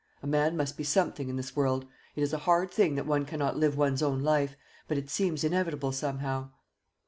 A man must be something in this world. It is a hard thing that one cannot live one's own life; but it seems inevitable somehow."